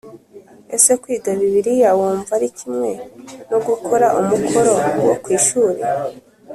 Ese kwiga Bibiliya wumva ari kimwe no gukora umukoro wo ku ishuri